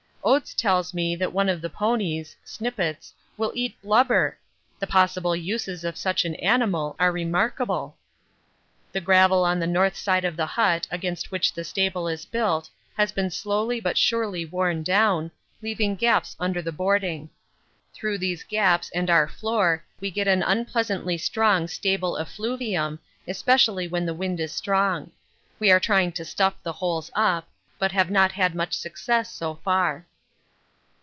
Oates tells me that one of the ponies, 'Snippets,' will eat blubber! the possible uses of such an animal are remarkable! The gravel on the north side of the hut against which the stable is built has been slowly but surely worn down, leaving gaps under the boarding. Through these gaps and our floor we get an unpleasantly strong stable effluvium, especially when the wind is strong. We are trying to stuff the holes up, but have not had much success so far.